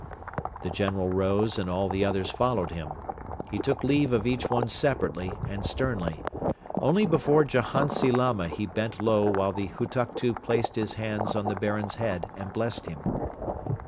The General rose and all the others followed him. He took leave of each one separately and sternly. Only before Jahantsi Lama he bent low while the Hutuktu placed his hands on the Baron's head and blessed him.